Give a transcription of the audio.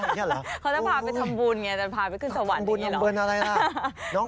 เขาจะพาไปทำบุญ